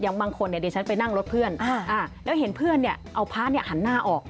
อย่างบางคนเนี่ยเดี๋ยวฉันไปนั่งรถเพื่อนอ่าแล้วเห็นเพื่อนเนี่ยเอาพระเนี่ยหันหน้าออก